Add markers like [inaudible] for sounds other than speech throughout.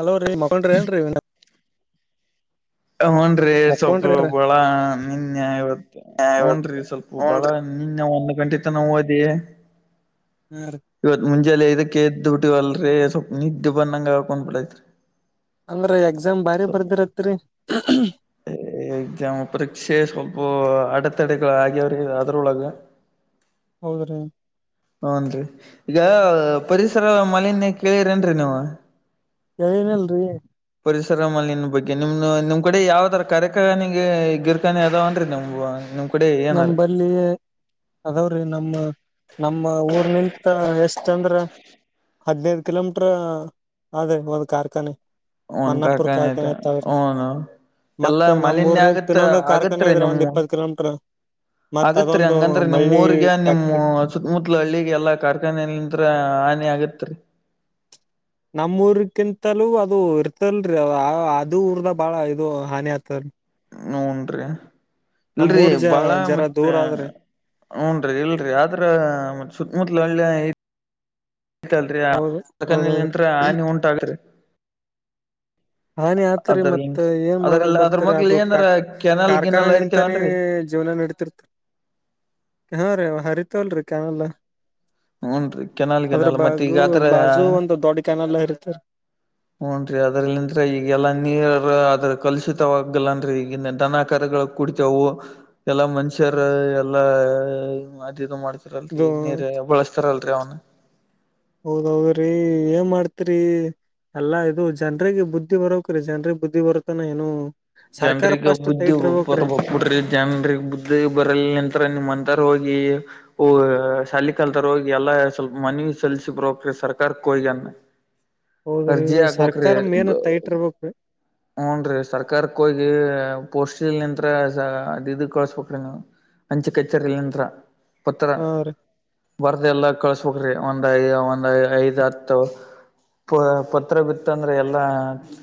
Hello ರೀ ಮಕೊಂಡ್ರ ಏನ್ ರೀ. ಹುನ್ರೀ ಮಕ್ಕೊಂಡ್ರಿ ಸ್ವಪ್ಪು ಏನ್ರೀ ಬಳ ನಿನ್ಯ ಇವತ್ತು ಹುನ್ರೀ ಸ್ವಲ್ ಪು ಹಾ ಬಾಳ ನಿನ್ನಿ ನಾವ್ ಒಂದ್ ಗಂಟಿತನಾ ಹೋದಿವಿ. ಹಾ ರೀ. ಇವತ್ ಮುಂಜಾಲೆ ಇದಕ್ಕೆ ಎದ್ದಬುಟ್ಟಿವಲ್ರೀ ಸ್ವಪ್ ನಿದ್ದಿ ಬಂದಂಗ ಅಗಕ್ ಕುಂತ್ಬುಟ್ಟತ್ರಿ. ಅಂದ್ರ ಎಕ್ಸಾಮ್ ಬಾರಿ ಬರ್ದಿರತ್ರಿ. ಎಕ್ಸಾಮ್ ಪರೀಕ್ಷೆ ಸ್ವಲ್ಪ ಅಡೆತಡೆಗಳ ಆಗ್ಯವ್ರಿಗೆ ಅದ್ರೊಳಗ. [inaudible] ಹೌದ್ರೀ. ಹುನ್ರಿ ಈಗ ಪರಿಸರ ಮಾಲಿನ್ಯ ಕೇಳಿರೇನ್ರಿ ನೀವ ಕೇಳಿನಲ್ರೀ ಪರಿಸರ ಮಾಲಿನ್ಯ ಬಗ್ಗೆ ನಿಮ್ ನಿಮ್ ಕಡೆ ಯಾವ್ದರ ಕಾರ್ಖಾನೆ ಗಿರ್ಕಾನೆ ಅದಾವನ್ರಿ ನಮ ನಿಮ ನಮ್ಮಂಬಲ್ಲಿ ಅದಾವ್ರೀ ನಮ್ಮಾ ನಮ್ಮ ಊರ್ನಿಂತ ಎಷ್ಟ ಅಂದ್ರ ಹದ್ನೈದ ಕಿಲೋಮೀಟರ್ ಆದೆ ಒಂದ ಕಾರ್ಖಾನೆ ಅವನ್ ಮನ್ನಾಪುರ್ ಕಾಕನತ ಕಾರ್ಖಾನೆ ತಾವರೆ ಅವನು ಎಲ್ಲಾ ಮತ್ತ್ ನಮ್ ಮಾಲಿನ್ಯ ಊರ್ನತಿ ಆಗತ್ತ ಇನ್ನೊಂದು ಕಾರ್ಖಾನೆ ಆಗತ್ರಿ ಆದ ರೀ ಒಂದ್ ನಿಮ್ಮ ಇಪ್ಪತ್ ಕಿಲೋಮೀಟರ್ ಮತ್ತ ಆಗತ್ರಿ ಅದೊಂದು ಬಳ್ಳಿ ಫ್ಯಾಕ್ಟ್ರಿ ಮುತ್ಲ ಹಳ್ಳಿಗೆ ಎಲ್ಲಾ ಕಾರ್ಖಾನೆಲಿಂತ್ರ ಹಾನಿ ಆಗತ್ರಿ ನಮ್ ಊರ್ಕ್ಕಿಂತಲೂ ಅದು ಇರ್ತಲ್ರಿ ಆ ಆ ಅದು ಊರ್ದ ಬಾಳ ಇದು ಹಾನಿ ಆತದರಿ ಹೂನ್ರಿ ಇಲ್ರೀ ನಮ್ಮೂರ್ ಜ ಬಾಳ ಜರ ಮತ್ತೆ ದೂರ ಆದ್ರಿ ಹೂನ್ರಿ ಇಲ್ರೀ ಆದ್ರ ಸುತ್ತಮುತ್ಲ ಹಳ್ಳಿ ಹೌದ ಹೌದೌದ್ರಿ [unintelligible] ಹಾನಿ ಉಂಟಾಗ್ರಿ ಹಾನಿ ಆತರಿ ಮತ್ ಅದರ್ಲಿಂತ್ ಏನ್ ಮಾಡಕ್ ಅದ್ರಲ್ಲ ಅದ್ರ ಬರ್ತರಿ ಮಗ್ಲ ಅದು ಏನಾರ ಪ್ಯಾಕ್ ಕೆನಾಲ್ ಕಾರ್ಖಾನೆ ಗಿನಾಲ್ ನಿಂತಾನೇ ಹರಿತೇವನ್ರಿ ಜೀವನ ನಡಿತ್ ತಿರ್ತ [inaudible] ಹಾ ರೀ ಹರಿತಾವಲ್ರಿ ಕೆನಲ್ಲ ಹೂನ್ರಿ ಕೆನಾಲ್ ಅದ್ರ ಗಿನಾಲ್ ಮತ್ ಬಾಗು ಈಗ ಬಾಜು ಆತರ ಒಂದು ದೊಡ್ ಕೆನಲ್ಲ ಇರ್ತರಿ ಹೂನ್ರೀ ಅದ್ರಲಿಂತ್ರ ಈಗೆಲ್ಲಾ ನೀರ ಅದ ಕಲಷಿತವಾಗಲ್ಲ ಅಂದ್ರೆ ಈಗಿನ ದನ ಕರಗಳು ಕುಡಿತಾವು ಎಲ್ಲಾ ಮನುಷ್ಯರ ಎಲ್ಲಾ ಮಾತ ಇದು ಮಾಡ್ತ ಲ್ರಿ ಇದು ಈಗ್ನ್ಯಾರ್ ಬಳಸ್ತಾರಲ್ರೀ ಅವ್ನ ಹೌದ್ ಹೌದ್ ರೀ ಏನ್ ಮಾಡ್ತೀರಿ ಎಲ್ಲಾ ಇದು ಜನ್ರಿಗೆ ಬುದ್ಧಿ ಬರಬೆಕ್ರೀ ಜನ್ರಿಗೆ ಬುದ್ಧಿ ಬರತ್ತನಾ ಏನೂ ಜನ್ರಿಗೆ ಬುದ್ದಿ ಬರ್ಬೋಕ ಕುಡ್ರಿ ಜನರಿಗೆ ಬುದ್ಧಿ ಬರಲ್ನಂತರ ನಿಮ್ಮ್ಂತಾರ ಹೋಗಿ ಹೊ ಯಿ ಶಾಲಿ ಕಲ್ತಾರ ಹೋಗಿ ಎಲ್ಲಾ ಸ್ವಲ್ಪ ಮನವಿ ಸಲ್ಸಿ ಬರಬೆಕ್ರಿ ಸರ್ಕಾರಕ್ಕ ಹೊಗಿನ್ನಾ ಹೌದ್ರಿ ಸರ್ಕಾರ ಮೇನ್ ಟೈಟಿರ್ಬೇಕ ರೀ [inaudible] ಹೂನ್ರೀ ಸರ್ಕಾರಕ್ಕ ಹೋಗಿ ಪೋಸ್ಟಿಲ್ ನಿಂತ್ರ ಅದು ಇದ ಕಳಸ್ಬೇಕ್ರೀ ನೀವು ಹಂಚ್ ಕಚ್ಚರಿ ಯಂತ್ರ ಪತ್ರ ಹಾ ರೀ ಬರ್ದ ಎಲ್ಲ ಕಳ್ಸ್ ಬೇಕ್ರೀ ಒಂದ್ ಐ ಒಂದ್ ಐದ್ ಹತ್ತು ಪ ಪತ್ರ ಬಿತ್ತಂದರೆ ಎಲ್ಲ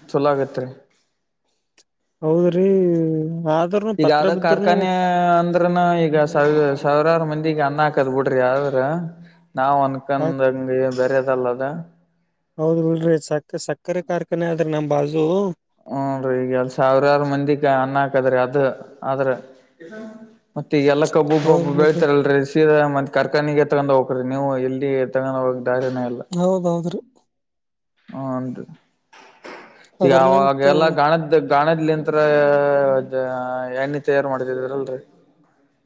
ಚುಲೊ ಆಗತ್ ರೀ ಹೌದ್ರಿ ಆದ್ ಈಗ ಆದ ಕಾರ್ಖಾನೇ ಅಂದ್ರ ಈಗ ಸಾವಿ ಸಾವಿರಾರು ಮಂದಿಗ ಅನ್ನ ಹಾಕದ್ ಬಿಡ್ರಿ ಆದ್ರ ನಾವ್ ಆ ಅನ್ಕಂದ ಬೇರೆದಲ್ಲದ ಹೌದ ಬಿಡ್ರಿ ಸಕ್ಕ ಸಕ್ಕರೆ ಕಾರ್ಖಾನೆ ಆದ್ರಿ ನಮ್ಮ ಬಾಜು ಹೂನ್ರೀ ಈಗ ಎಲ್ ಸಾವಿರಾರು ಮಂದಿಗ ಅನ್ನ ಹಾಕದ್ರಿ ಅದ ಆದ್ರ [unintelligible] ಮತ್ತ ಈಗ ಎಲ್ಲ ಕಬ್ಬು ಹೌದ್ ಪಬ್ಬು ಬಿಡ್ರಿ ಬೆಳಿತಾರಲ್ರೀ ಮತ್ ಕಾರ್ಖಾನೆಗೆ ತಗೊಂಡ್ ಹೋಗಬಕ್ರಿ ನೀವು ಇಲ್ಲಿ ತಗೊಂಡ್ ಹೋಗಾಕ್ ದಾರಿನ ಇಲ್ಲಾ ಹೌದೌದ್ರೀ ಹುನ್ರಿ ಈಗ ಅದ್ರ ಅವಾಗ ನಿಂತ ಎಲ್ಲಾ ಗಾಣದ್ದ ಗಾಣದ್ಲಿಂತ್ರ ಇದ ಎಣ್ಣಿ ತಯಾರ ಮಾಡ್ತಿದ್ರಲ್ರೀ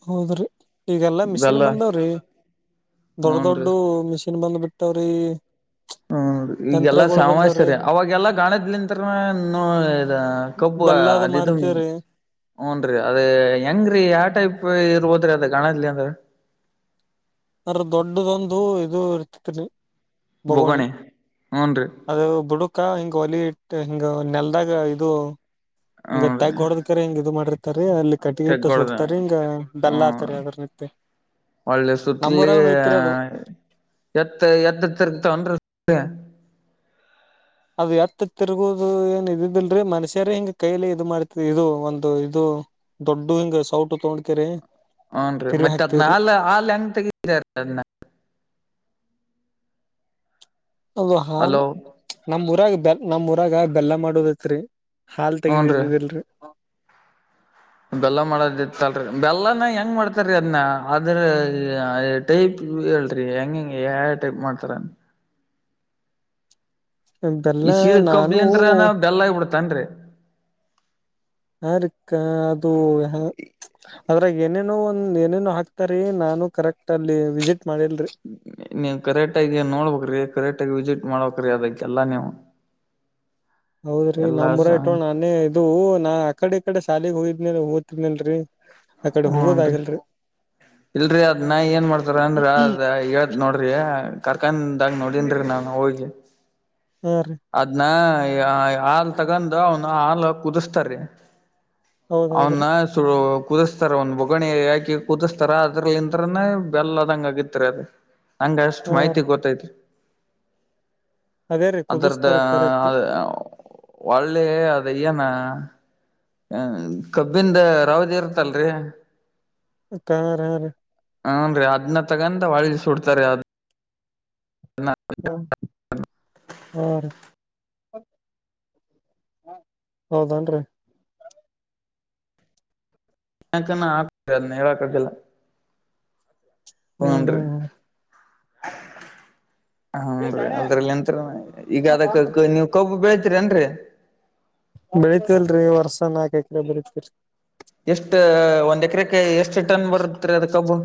ಹೌದ್ರಿ ಈಗೆಲ್ಲಾ ಮಿಷಿನ್ ಬೆಲ್ಲ ಬಂದಾವ್ರಿ ದೊಡ್ಡ ಹೂನ್ರಿ ದೊಡ್ಡುವ ಮಿಷಿನ್ ಬಂದ್ ಬಿಟ್ಟ್ [unintelligible] ರೀ ಹ್ಮ್ ಈಗೆಲ್ಲಾ ಶ್ಯಾಮಾರಿ ಅವಾಗೆಲ್ಲಾ ಗಾಣದ್ಲನ್ರ ನೋ [unintelligible] ಕಬ್ಬು ಬೆಲ್ಲದು ಅದು ಇದು ಮಾಡ್ತವ್ರಿ. ಹ್ಞನ್ರೀ ಅದ ಹೆಂಗ್ರೀ ಯಾವ ಟೈಪ್ ಇರ್ಬೋದ್ರಿ ಅದ ಗಣದಲ್ಲಿ ಅಂದ್ರ ಅ್ರ ದೊಡ್ಡದೊಂದು ಇದು ಇರ್ತತ್ರಿ ಬೊಗೋಣಿ ಬೋಗಣೆ ಹ್ಞನ್ ರೀ ಅದು ಬುಡುಕ ಹಿಂಗ ಒಲಿ ಇಟ್ಟ ಹಿಂಗ ನೆಲ್ದಾಗ ಇದು ಹಿಂಗ ಹೂನ್ರಿ ತಗ್ ಹೊಡದಕರೆ ಹಿಂಗ ಇದು ಮಾಡಿರ್ತಾರ ಅಲ್ಲಿ ಕಟ್ಟಿಗೆ ಇಟ್ಟು ತೆಗ್ಗೊಡ್ದ ಸುಡ್ತಾರೆ ಹಿಂಗ ಡಲ್ಲ ಆತಾರಿ ಹ್ಮ ಅದ್ರನಿ ಒಳ್ಳೆ ಸುತ್ತಲಿ ಅದು. ಎತ್ತ ಎತ್ತ ತಿರುಗುತ್ತವೆ ಏನ್ರೀ ಅದು ಎತ್ತ ತಿರುಗೋದು ಏನ್ ಇದಿದಿಲ್ರಿ ಮನುಷ್ಯರ ಹಿಂಗ ಕೈಲಿ ಇದು ಮಾಡ್ತ ಇದು ಒಂದು ಇದು ದೊಡ್ಡಡು ಹಿಂಗ ಸೌಟು ತೊಗೊಂಡ್ಕರಿ ಹ್ನ್ ರೀ ಮತ್ತತ್ ಅದ್ನ ಅ ಹಾಲ ಎಂಗ್ ತೆಗಿದ ಅದ್ [unintelligible] ಅದು ಹಾಲ್ ಹಲೋ ನಮ್ ಊರಾಗ ಬೆಲ ನಮ್ ಊರಾಗ ಬೆಲ್ಲ ಮಾಡದೈತ್ರಿ ಹಾಲ್ ಹೂನ್ರಿ ತೆಗದಿದ್ದಿದ್ದಿಲ್ರರಿ ಬೆಲ್ಲ ಮಾಡೋದಿತ್ತಲ್ರಿ ಬೆಲ್ಲನ ಹೆಂಗ್ ಮಾಡ್ತಾರೀ ಅದನ್ನ ಅಂದ್ರ ಟೈಪ್ ಹೇಳ್ರಿ ಹೆಂಗ ಹೆಂಗೆ ಯಾವ ಟೈಪ್ ಮಾಡ್ತಾರ ಬೆಲ್ಲ ಈ ಸೀ ನಾನು ಕಬ್ಲಿಂದನ ಬೆಲ್ಲ ಆಗ್ಬಿಡ್ತೇನ್ರೀ ಯುಕ್ಕಾ ಅದು [inaudible] ಅದ್ರಾಗ ಏನೇನೋ ಒಂದ್ ಏನೇನೋ ಹಾಕ್ತಾರಿ ನಾನು ಕರೆಕ್ಟ್ ಅಲ್ಲಿ ವಿಸಿಟ್ ಮಾಡಿಲ್ರಿ ನೀವು ಕರೆಕ್ಟಾಗಿ ನೋಡ್ಬ್ರೀ ಕರೆಕ್ಟ್ಗ ವಿಸಿಟ್ ಮಾಡ್ಬೇಕ್ರೀ ಅದಕ್ಕೆಲ್ಲ ನೀವು ಹೌದ್ರಿ ಎಲ್ಲಾ ನಮ್ರ ಸ ಇಟ್ಟವ ನಾನೇ ಇದು ನಾ ಅ ಕಡೆ ಈ ಕಡೆ ಶಾಲೆಗೆಗ್ ಹೋದ್ನ ಓದ್ತಿದ್ನಲ್ಲ ರಿ ಹ್ಮ ರಿ ಇಲ್ರರಿ ಅದ್ ನಾ ಏನ್ ಮಾಡ್ತಾರ ಅಂದ್ರ ಅದ ನೋಡ್ರಿ ಕಾರ್ಖಾನೆದಾಗ ನೋಡಿನ್ರಿ ನಾ ಹೋಗಿ ಯಾರಿ ಅದ್ನ ಹಾಲ್ ತಗೊಂಡ ಅವನ ಹಾಲ್ ಕುದಿಸತಾರೀ ಹೌದ್ ಅವನ್ನ ಹೌದ್ರಿ ಕುದಿಸ್ತಾರ ಒಂದ ಬೂಗಣಿ ಹಾಕಿ ಕುದಿಸ್ತಾರ ಅದ್ರಂತ ಬೆಲ್ಲ ಅದಂಗ ಆಗಿತ್ತರಿ ಅದು ನಂಗ ಅಷ್ಟ್ ಹಾ ರೀ ಮಾಹಿತಿ ಗೊತ್ತೈತ್ರಿ ಅದೇ ರೀ ಅದ್ರದ್ದ ಕುದಿಸ್ತಾರ ಕರೆಕ್ಟ್ ಅ ಒಳ್ಳೆ ಅದು ಏನ ಹ ಕಬ್ಬಿಂದ ರಾವದ ಇರ್ತ್ತಲ್ರಿ ಆ ಕಾರ [unintelligible] ಹನ್ ರೀ ಅದ್ ತೊಗೊಂಡು ಸುಡ್ತಾರೆ ಅದ ನ [unintelligible] ಹ ಹ [inaudible] ಹೌದನ್ರರಿ ಯಾಕ ಆತ ಅದೇ ಹೇಳಕ್ಕಾಗಲಿಲ್ಲ ಹ್ಮ ಹ್ಮ್ ರೀ ಹ್ಮ್ ಹ್ಮ್ ಹನ್ರೀ ಅದ್ರಲ್ಲಿ ಎಂತರ ಈಗ ಅದಕ್ಕ ನೀವ್ ಕಬ್ಬು ಬೆಳತರಿ ಏನ್ರರಿ ಬೆಳಗ್ಗೆ ವರ್ಷಕ್ಕೆ ನಾಕ ಎಕರೆ ಬೆಳೀತತಿರಿ ಎಷ್ಟು ಒಂದ್ ಎಕರೆಕ್ಕೆ ಎಷ್ಟು ಟನ್ ಬರುತ್ತ ರೀ ಅದ ಕಬ್ಬು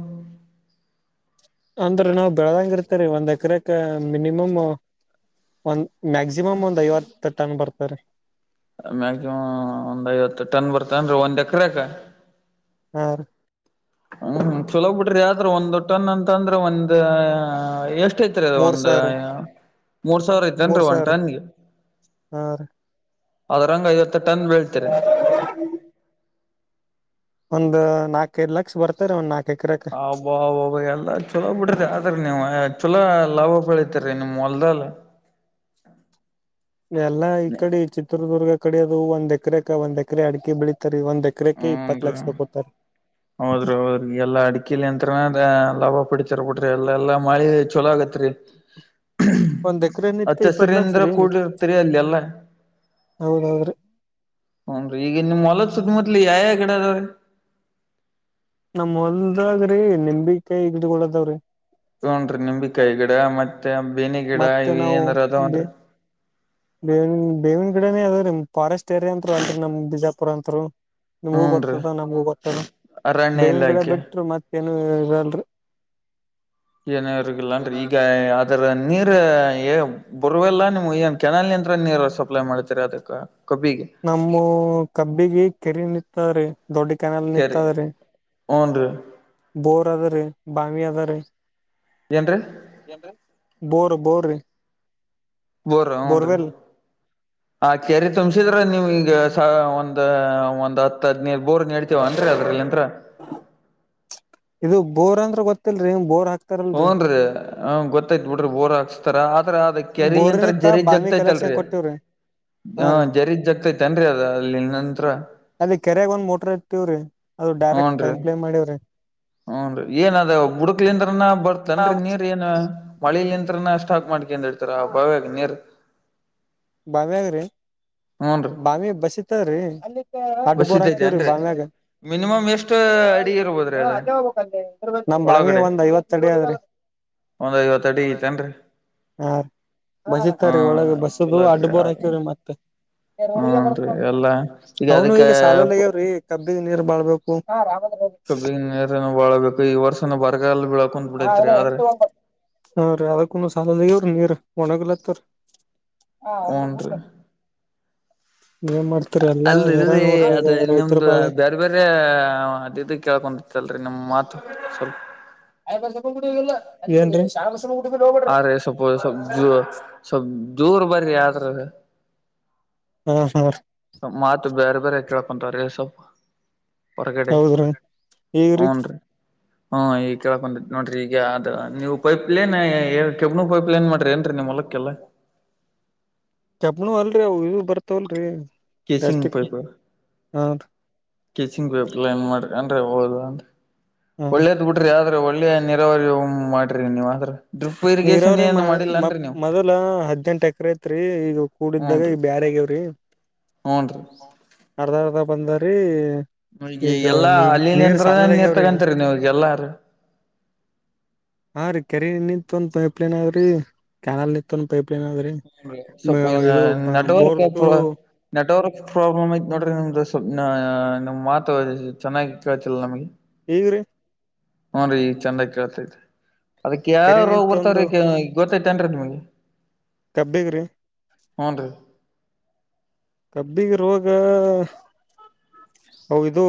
ಅಂದ್ರ ನಾವವು ಬೆಳದಂಗ ಇರ್ತರಿ ಒಂದ್ ಎಕರೆ‌ಗೆ ಮಿನಿಮಮ ಒಂದ್ ಮ್ಯಾಕ್ಸಿಮಮ್ ಒಂದ್ ಐವತ್ತು ಟನ್ ಬರ್ತಾರೆ ಮ್ಯ್ಯಾಕ್ಸಿಮಮ್ ಒಂದ್ ಐವತ್ತು ಟನ್ ಬರ್ತನ್ರರಿ ಒಂದ್ ಎಕರೆ ಗ ಹ ರಿ ಹ್ಮ್ ಹ್ಮ ಚಲೋ ಬಿಡ್ರಿ ಆದ್ರರು ಒಂದ್ ಟನ್ ಅಂತ ಅಂದ್ರೆಂದ್ ಅ ಎಷ್ಟ ಐತ್ರಿ ಅದು ಮೂರ್ ಒಂದು ಸಾವಿರ ಮೂರ್ ಸಾವಿರ ಇತೇನ್ರೀ ಮೂರ್ ಒಂದು ಸಾವಿರ ಟಾನಿಗೆ. ಹಾ ಅದ್ರಂಗ ಐವತ್ತು ಟನ್ ಬೀಳ್ತರಿ. ಒಂದು ನಾಲ್ಕೈದು ಲಕ್ಷ ಬರ್ತಾರೆ ಒಂದ್ ನಾಕು. ಅಬ್ಬಬ್ಬಾ ಅಬ್ಬಬ್ಬಾ ಚಲೋ ಬಿಡ್ರಿ ಆದ್ರೆ ನೀವು ಚಲೋ ಲಾಭ ಬೆಳೀತರಿ ನಿಮ್ಮ ಹೊಲ್ದಲ್. ಎಲ್ಲಾ ಈ ಕಡೆ ಚಿತ್ರದುರ್ಗ ಕಡೆ ಅದು ಒಂದ ಎಕರೆಕ ಒಂದ ಎಕರೆ ಅಡಿಕೆ ಬೆಳೀತಾರೆ ಒಂದ್ ಎಕರೆ ಎಕ್ರಕ್ಕೆ ಇಪ್ಪತ್ತು ಹ್ಮನ್ರಿ ಲಕ್ಷ ಕೊಡ್ತಾರೆ. ಈ ಎಲ್ಲಾ ಅಡಿಕೆಲಿ ಯಂತ್ರನ ಲಾಭ ಪಡಿತರ್ ಬಿಟ್ರಿ ಎಲ್ಲ ಎಲ್ಲಾ ಮಾಡಿ ಚಲೋ ಆಗತ್ರಿ. ಒಂದ್ ಎಕರೆ ನಿತ್ಯ ಇಪ್ಪತ್ ಲಕ್ಷ ಅಚ್ಚಸರಿಂದ್ರ ರೀ ಕೂಡಿರ್ತರಿಲ್ಲಿ ಅಲ್ಲಿ ಎಲ್ಲಾ ಹೌದಹೌದ್ರಿ. ಹುನ್ರಿ ಈಗ ನಿಮ್ಮ್ ಹೊಲದ ಸುತ್ತಿಮುತ್ಲು ಯಾವಯವ ಗಿಡಗಳು ಅದಾವೆ ನಮ್ಮ ಹೊಲದಾಗ್ರೀ ನಿಂಬಿಕಾಯಿ ಗಿಡ್ಕಳದಾವ್ರಿ. ಹುನ್ರಿ ನಿಂಬಿಕಾಯಿ ಗಿಡ ಮತ್ತೆ ಬೇನಿ ಗಿಡ ಮತ್ತೆ ಇವ ಏಂದಾರ ಅದಾವನ್ರಿ. ಬೇವ ಬೇವಿನ ಗಡಡೆನೇ ಅದ್ರೀ ಫಾರೆಸ್ಟ್ ಏರಿಯಾಂತ್ರು ಅಲ್ರಿ ನಮ್ ಬಿಜಾಪುರ ಅಂತ್ರು. ನಿಮಗೂ ಹುನ್ರಿ ಗೊತ್ತದ ನಮಗೂ ಗೊತ್ತದ ಅರಣ್ಯ ಬೇವಿನ ಕಡೆ ಇಲಾಖೆ ಬಿಟ್ರ ಮತ್ತೇಏನು ಇರಲ್ರಿ. ಏನಗಿಲ್ಲ ಅನ್ರಿ ಈಗ ಅದರ ನೀರ. ಬರುವವೆೆಲ್ಲ ನಿಮ್ ಏನ್ ಕೆನಾಲ್ ನಂತ್ರ ನೀರು ಸಪ್ಲೈ ಮಾಡ್ತರಿ ಅದಕ್ಕೆ ಕಬ್ಬಿಗೆ. ನಮ್ಮ ಕಬ್ಬಿಗೆ ಕೆರೆ ನಿಂತದ್ರೆ ದೊಡ್ಡ ಕೆನಲ್ ಕೆರಿ ನಿಂತದ್ರೀ. ಹುನ್ರಿ. ಬೋರ್ ಅದಾರೀ. ಏನ್ರೀ ಬೋರ ಬೋರ್ರೀ ಬೋರ್ ಹುನ್ರಿ. ಹ ಕೆರಿ ತುಂಬಸಿದ್ರ ನಿಮ್ಮಗೀಗ ಒಂದು ಒಂದ್ ಹತ್ತು. ಬೋರ್ ನಡಡ್ತೀವ ಅಂದ್ರಲ್ಲಿ ಅಂದ್ರ. ಇದು ಬೋರ್ ಅಂದ್ರ ಗೊತ್ತಲ್ರಿ ಬೋರ್ ಹಾಕ್. ಹುನ್ರಿ ಗೊತ್ತಾಯತ್ ಬಿಡ್ರಿ ಬೋರ್ ಹಚ್ಚತರ ಆದ್ರ ಅದಿಕ್ಕೇ. ಕೆರಲ್ ನಿಂತರ ಬೋರ್ನಿತ್ತ ಜೆರೀ ಬಾವಿ ಕಲೆಕ್ಷನ್ ಜಗ್ತೈತ್ಲ್ರರಿ. ಕೊಟ್ಟಿವ್ರಿ ಹಾ ಜರೀದ್ ಜಗ್ತೈತನ್ರಿ ಅದ ಅಲ್ಲಿ ನಂತ್ರ. ಅಲ್ಲಿ ಕೆರೆಗೆ ಒಂದ್ ಮೋಟರ್ ಇರ್ತಿವ್ರೀ ಅದು ಡೈರೆಕ್ಟ್ ಪೈಂಪ್ಲೇ ಮಾಡಿವವ್ರಿ. ಹುನ್ರಿ ಏನ್ ಅದ ಹುಡುಕ್ಲಿಂದ್ರನ ಬರ್ತನ್ರರಿ ನೀರ್ ಏನು. ಮಳೇಲಿ ನಿಂತ್ರನ ಸ್ಟಾಕ್ ಮಾಡ್ಕಂದ ಇಡ್ತಾರ ಬಾವಿಯಾಗ ನೀರ್. ಬಾವಿಯಗ್ರಿ. ಹೂನ್ರಿ ಬಾಮ ಬಸಿತದ್ರೀ ಅಡ್ ಬೋರ್ ಹಾಕವ್ರಿ ಬಸಿದೈತೇನ್ರಿ ಬಾಮ್ಯಾಗ. ಮಿನಿಮಮ್ ಎಷ್ಟ ಅಡಿ ಇರ್ಬೋದ್ರಿ ಅದ ನಮ್ ಭಾವಿ ಒಳಗಡೆ ಒಂದ್ ಐವತ್ತ ಅಡಿ ಆದ್ರಿ. ಒಂದ್ ಐವತ್ ಅಡಿ ಐತೇನ್ರಿ ಹಾ ಹಾ ಬಸಿತಾರೆ ರೀ ಒಳಗ ಬಸ್. ಚಲೋ ಅಡ್ ಐತ್ರಿ ಬೋರ್ ಹಾಕವರಿ ಹನ್ರಿ ಎಲ್ಲಾ ಮತ್ತೆನು ಈಗ ಸಾಲ. ಕಬ್ಬಿಗೆ ನೀರ್ ಬಾಳಬೇಕು. ಕಬ್ಬಿ ನೀರ ಬಾಳಬೇಕು ಈ ವರ್ಷನ ಬರಗಲ್ ಬಿಡು ಹಾರೀ ಅದಕ್ಕು ಸಾಲದ ಇವ್ರಿ ನೀರ್ ಒಣಗಲತ್ತವರಿ. ಹೂನ್ರಿ [unintelligible] ಹೇರಾಣ ಅಲ್ರರಿ ನೋಡ್ರಿ ಅದ ಈಗ ರೈತರ ನಿಮ್ದ ಬಾಳೆ ಬೇರೆ ಬೇರೆ ಅದ ಇದು ಕೇಳ್ಕೊತ್ತಲ್ರಿ ನಿಮ್ ಮಾತು. [unintelligible] ಏನ್ರಿ ಆದ್ರೆ ಸ್ವಲ್ಪ ಸ್ವಲ್ಪ ಜ ಸ್ವಲ್ಪ ದೂರಬರಿ ಆದ್ರೆ ಹ್ಮ್ ಹ್ಮ ರ ಮಾತು ಬ್ಯಾರ ಬ್ಯಾರೆ ಕೆಳಕ್ಕಂಥವರಿ ಸ್ವಲ್ಪ ಹೊರಗಡೆ ಹೌದ್ರಿ ಈಗ್ರಿ ಹುನ್ರಿ ಹು ಈಗ ಕೇಳಕ್ಕಂತೈತಿ ನೋಡ್ರಿ ಈಗ ಅದ್ ನೀವು ಪೈಪ್ಲೈನ್ ಎ ಕೆಬ್ನೂ ಪೈಪ್ ಲೈನ್ ಮಾಡಿರ್ ಏನ್ರೀ ನಿಮ್ಮ ಹೊಲಕ್ಕೆಲ್ಲ ಕೇಬ್ಬನು ಅಲ್ರಿ ಅವ ಇವ ಬರ್ತವಲ್ಲರಿ ಕೇಸಿಂಗ ಪೈಪ್ ಕೇಸಿಂಗ್ ಪೈಪ್ಲಿನ್ ಮಾಡಿರೆನ್ರಿ ಹೌದನ್ರಿ ಹ ಹೊಳನಿ ಬಿಡ್ರಿ ಆದ್ರ ಒಳ್ಳೆ ನೀರಾವರಿ ಮಾಡರಿ ನೀವು ಆದ್ರ ಡ್ರಿಪ್ ಇರಿಗೇಶನ್ ಏನ್ ಮಾಡಿಲ್ಲ ಏನರಿ ನೀವು ಪೈಲಾ ಹದ್ನೆಂಟ ಎಕರೆ ಇತ್ರಿ ಈಗ ಕೂಡಿದ್ದಾಗ ಹೂನ್ರಿ ಈಗ್ ಬ್ಯಾರೆಗೆವ್ರಿ ಹೂನ್ರಿ ಅರ್ಧ ಅರ್ಧ ಬಂದಾರಿ ಈಗ ಎಲ್ಲಾ ನೀ ನೀರ್ ಅಲ್ಲಿನಿಂದ್ರನ್ ನೀರ್ ಸಾಲದಾಗ್ಯಾವ್ರಿ ಈಗ ತಗೊಂತರಿ ನೀವೀಗ ಎಲ್ಲಾರ ಹಾರೀ ಕೆರಿನಿಂತ ಒಂದ ಪೈಪ್ಲೈನ್ ಅದರಿ ಕೆನಾಲ್ನಿಂತ ಪೈಪ್ಲೈನ್ ಅದರಿ ಹೂನ್ರಿ ಸ್ವಲ್ಪ ಇದು ನೆಟ್ವರ್ಕ್ ಬೋರ್ಟು ನೆಟ್ವರ್ಕ್ ಪ್ರಾಬ್ಲಮ್ ಐತ್ ನೋಡ್ರಿ ನಿಮ್ದು ಸ್ವಪ್ ಅ ನಿಮ್ ಮಾತು ಚೆನ್ನಾಗಿ ಕೇಳ್ತಿಲ್ಲ ನಮಗೆ ಈಗ್ರಿ ಹ್ಮು ರಿ ಈಗ ಚಂದ ಕೇಳತೈತಿ ಅದಕ್ಕ್ ಯಾವ ಕೆರೆ ರೋಗ ನಿಂತ ಒಂದು ಬರ್ತಾವರಿ ಗೊತ್ತಯಿತೇನ್ರೀ ನಿಮ್ಗ್ ಕಬ್ಬಿಗ್ ರಿ ಹ್ಮನ ರಿ ಕಬ್ಬಿಗ ರೋಗ ಅವ ಇದು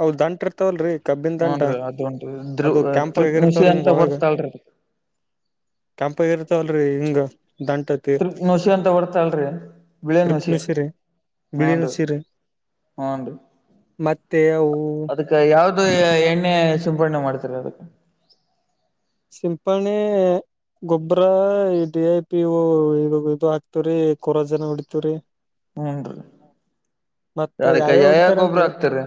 ಅವು ದಂಟ ಇರ್ತಾವಲ್ರಿ ಕಬ್ಬಿನ ದಂಟ ಹೂನ್ರೀ ಅದೊಂದು ದೃ ಅದು ಕೆಂಪಗ ತೃಪ್ನಷಿ ಆಗಿರ್ತಾವ್ರಿ ಅಂತ ಒಳಗ ಬರ್ತಾಳ್ರಿ ಕೆಂಪಗ ಇರ್ತಾವಲ್ರಿ ಹಿಂಗ ದಂಟ ತ್ರ ನುಷಿ ಅಂತ ಬರ್ತಾವಲ್ರಿ ತ್ರಿಪ್ ನುಸಿರಿ ಬಿಳಿ ನುಸಿರಿ ಹ್ಮುನ್ ರಿ ಮತ್ತೆ ಅವು ಕ್ಕ್ ಯಾವ್ದು ಎಣ್ಣೆ ಸಿಂಪಣೆ ಮಾಡ್ತೀರ ಅದಕ್ಕ್ ಸಿಂಪಣೆ ಗೊಬ್ಬರಾ ಡಿಐಪಿ ಇವು ಇದು ಹಾಕ್ತಿವ್ರಿ ಕೊರೋಸೆನ್ ಹೊಡಿತಿವ್ರಿ ಹೂನ್ರಿ ಮತ್ತ ಅದಕ್ಕೆ ಯಾವ್ಯಾವ ಗೊಬ್ಬರ ಹೊಡಿತಾರೆನ್ರಿ. ಹಾಕ್ತಿರಿ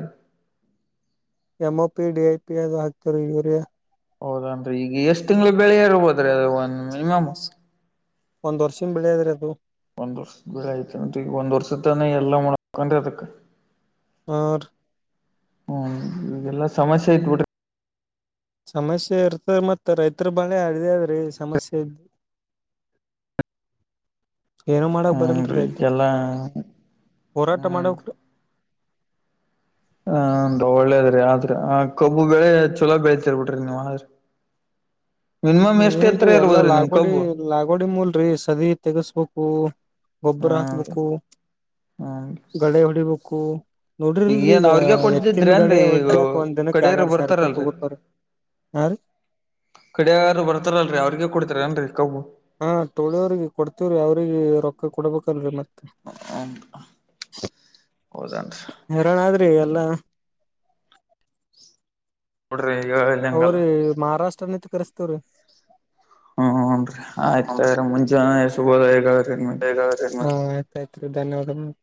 ಎಮ್ಒಪಿ ಡಿಐಪಿ ಅದು ಹಾಕ್ತಿವರಿ ಯುರಿಯಾ ಹೌದನ್ರಿ ಈಗ ಎಷ್ಟ್ ತಿಂಗಳಿಗ ಬೆಳಿ ಇರ್ಬೋದ್ರಿ ಅದ ಒಂದ್ ಮಿನಿಮಮ್ ಒಂದ್ ವರ್ಷಿನ್ ಬೆಳಿ ಅದರಿ ಅದು ಒಂದ್ ವರ್ಷದ ಬೆಳೆ ಐತೆನ್ರಿ ಈಗ ಒಂದ ವರ್ಷತನ ಎಲ್ಲಾ ಮಾಡ್ಬೇಕೇನ್ರಿ ಅದಕ್ ಹಾ ರಿ ಹ್ಮ್ ಈಗೆಲ್ಲಾ ಸಮಸ್ಯೆ ಐತ ಬಿಡ್ರಿ ಸಮಸ್ಯೆ ಇರ್ತದ ಮತ್ತ ರೈತರ ಬಾಳೆ ಅದೇ ಅದರಿ ಸಮಸ್ಯೆ [inaudible] ಏನು ಮಾಡಕ್ ಬರಲ್ರಿ ಹ್ಮನ್ರಿ ರೈತರು ಈಗೆಲ್ಲಾ ಹೋರಾಟ ಹ್ಮ ಮಾಡಕ್ರಿ ಹ ರಿ ಒಳ್ಳೇದ್ರಿ ಆದ್ರ ಆ ಕಬ್ಬು ಬೆಳೆ ಚಲೋ ಬೆಳತಿರ್ ಬಿಡ್ರಿ ನೀವ್ ಆದ್ರ ಮಿನಿಮಮ್ ಎಷ್ಟ್ ಏನ್ರೀ ಎತ್ತರ ಎಲ್ಲಾ ಇರ್ಬೋದ್ರಿ ನಿಮ್ ಲಾಗೋಡಿ ಕಬ್ಬು ಲಾಗೋಡಿ ಮೂಲ್ರಿ ಸದಿ ತಗಸ್ಬೇಕು. ಹ್ಮ್ ಗೊಬ್ಬರಾಕ್ಬೇಕು ಹ್ಮ್ ಗಳೆ ಹೊಡಿಬೇಕು. ನೋಡಿರಿಲ್ರಿ ಏನ್ ಈಗ ಅವ್ರಿಗೆ ಕೊಡ್ತಿದ್ರಿ ಏನ್ರಿ ಎತ್ತಿನಗಾಡೆ ಈಗ ಹೊಡ್ಡ್ಯಾಕ್ ಒಂದ ದಿನಕ್ಕ ಯಾಡ್ ಕಡೆಯರು ಯಾಡ್ ಸಾವರೂಪಾಯಿ ಬರ್ತಾರಲ್ರಿ ತಗೋತಾರ ಹಾ ರೀ ಕಡೆಯಾರು ಬರ್ತಾರಲ್ಲರಿ ಅವ್ರಿಗ ಕೊಡ್ತಿರೇನ್ರಿ ಕಬ್ಬು ಹಾ ಟೋಳಿಯವ್ರಿಗೆ ಕೊಡ್ತಿವ್ರೀ ಅವ್ರಿಗೆ ರೊಕ್ಕ ಕೊಡ್ಬೇಕಲ್ರಿ ಮತ್ತೆ. ಹ ಹೌದನ್ರೀ ಹೈರಾಣ ಆದ್ರಿ ಹ್ಮ. ಎಲ್ಲಾ ಬಿಡ್ರಿ. [unintelligible] ಅವ್ರಿ ಮಹಾರಾಷ್ಟ್ರನಂತ ಕರ್ಸ್ತೇವ್ರಿ. ಹ್ಮ್ ನ್ರಿ ಆಯ್ತ್ರ ಮುಂಜಾನೆಯ ಶುಭೋದಯಗಳು ನಿಮಗ್ರಿ. ಹ ಆಯ್ತ ಆಯ್ತ್ರಿ ಧನ್ಯವಾದಗಳು.